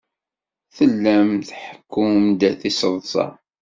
Tellam tḥekkum-d tiseḍsa.